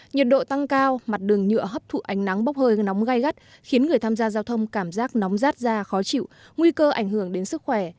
nhiệt độ tăng cao mặt đường nhựa hấp thụ ánh nắng bốc hơi nóng gai gắt khiến người tham gia giao thông cảm giác nóng rát ra khó chịu nguy cơ ảnh hưởng đến sức khỏe